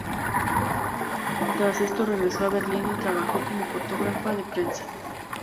Tras esto regresó a Berlín y trabajó como fotógrafa de prensa.